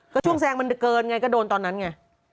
ก็ช่วงแซงมันเกินไงก็โดนตอนนั้นไง